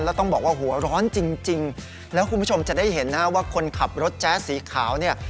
แล้วต้องบอกว่าหัวร้อนจริงแล้วคุณผู้ชมจะได้เห็นนะฮะว่าคนขับรถแจ๊สสีขาวเนี่ย